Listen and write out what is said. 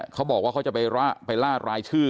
เขาบอกว่าเขาจะไปล่ารายชื่อ